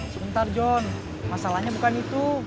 sebentar john masalahnya bukan itu